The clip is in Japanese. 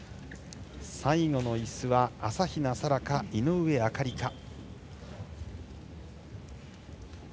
最後のいすは、朝比奈沙羅か井上あかりか。